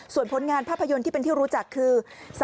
ส่วนผลงานภาพยนตร์ที่เป็นที่รู้จักคือ